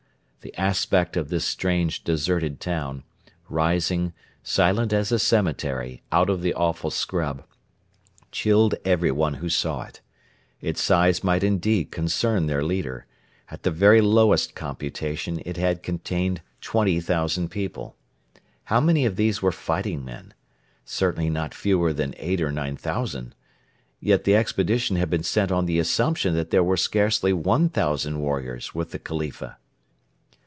The aspect of this strange deserted town, rising, silent as a cemetery, out of the awful scrub, chilled everyone who saw it. Its size might indeed concern their leader. At the very lowest computation it had contained 20,000 people. How many of these were fighting men? Certainly not fewer than 8,000 or 9,000. Yet the expedition had been sent on the assumption that there were scarcely 1,000 warriors with the Khalifa!